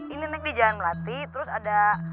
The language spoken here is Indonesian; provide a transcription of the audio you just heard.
ini naik di jalan melati terus ada